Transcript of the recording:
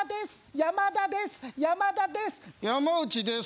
山内です。